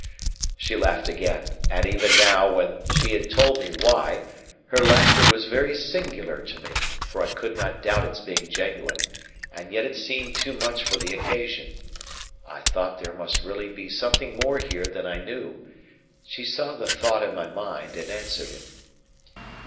She laughed again, and even now when she had told me why, her laughter was very singular to me, for I could not doubt its being genuine, and yet it seemed too much for the occasion. I thought there must really be something more here than I knew; she saw the thought in my mind, and answered it.